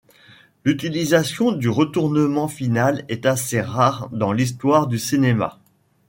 L’utilisation du retournement final est assez rare dans l’histoire du cinéma.